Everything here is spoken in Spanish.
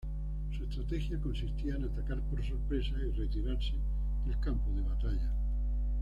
Su estrategia consistía en atacar por sorpresa y retirarse del campo de batalla.